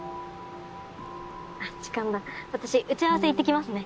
あっ時間だ私打ち合わせ行ってきますね。